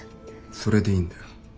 それでいいんだよ。